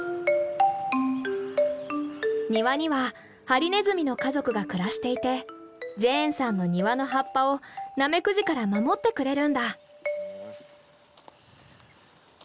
庭にはハリネズミの家族が暮らしていてジェーンさんの庭の葉っぱをナメクジから守ってくれるんだ。